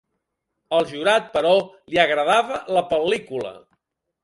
Al jurat, però, li agradava la pel·lícula.